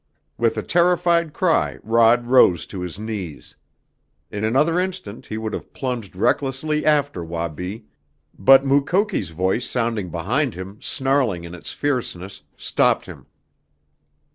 With a terrified cry Rod rose to his knees. In another instant he would have plunged recklessly after Wabi, but Mukoki's voice sounding behind him, snarling in its fierceness, stopped him.